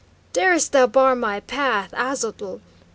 "Darest thou bar my path, Aztotl?"